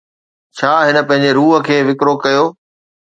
ڇا هن پنهنجي روح کي وڪرو ڪيو؟